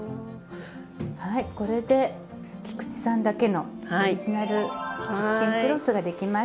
はいこれで菊池さんだけのオリジナルキッチンクロスが出来ました。